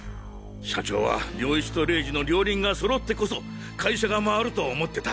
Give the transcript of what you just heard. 社長は涼一と玲二の両輪が揃ってこそ会社が回ると思ってた。